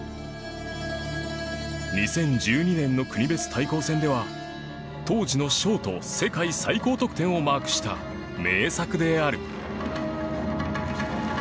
２０１２年の国別対抗戦では当時のショート世界最高得点をマークした名作である